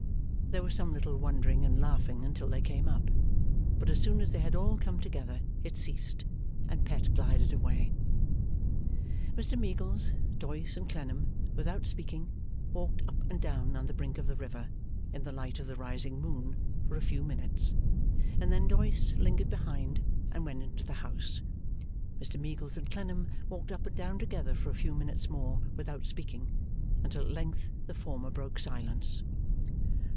There was some little wondering and laughing until they came up; but as soon as they had all come together, it ceased, and Pet glided away. Mr Meagles, Doyce, and Clennam, without speaking, walked up and down on the brink of the river, in the light of the rising moon, for a few minutes; and then Doyce lingered behind, and went into the house. Mr Meagles and Clennam walked up and down together for a few minutes more without speaking, until at length the former broke silence.